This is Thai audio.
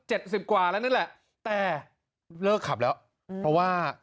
หัว๗๐กว่าแล้วเนี่ยแหละ